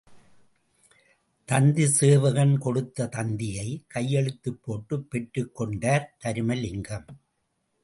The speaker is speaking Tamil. தந்தி சேவகன் கொடுத்த தந்தியை, கையெழுத்து போட்டு பெற்றுக் கொண்டார் தருமலிங்கம்.